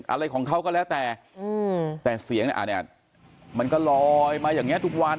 อะไรของเขาก็แล้วแต่แต่เสียงเนี่ยมันก็ลอยมาอย่างนี้ทุกวัน